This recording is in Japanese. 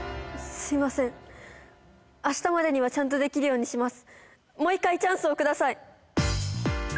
すみません明日までにはちゃんとできるようにします